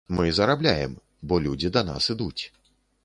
Мы зарабляем, бо людзі да нас ідуць.